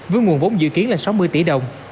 với nguồn vốn dự kiến là sáu mươi tỷ đồng